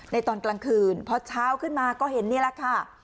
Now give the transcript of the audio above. ตอนกลางคืนพอเช้าขึ้นมาก็เห็นนี่แหละค่ะ